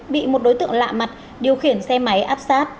bị một đối tượng lạ mặt điều khiển xe máy áp sát